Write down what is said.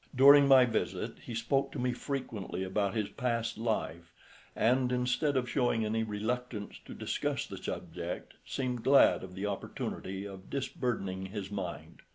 During my visit he spoke to me frequently about his past life, and instead of showing any reluctance to discuss the subject, seemed glad of the opportunity of disburdening his mind.